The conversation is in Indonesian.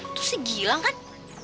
eh itu segilang kan